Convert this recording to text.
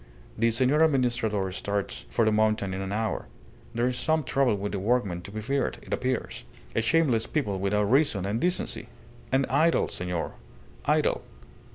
"The Senor Administrador starts for the mountain in an hour. There is some trouble with the workmen to be feared, it appears. A shameless people without reason and decency. And idle, senor. Idle."